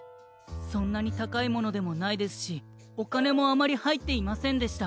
そんなにたかいものでもないですしおかねもあまりはいっていませんでした。